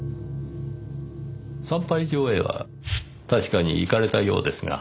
産廃場へは確かに行かれたようですが。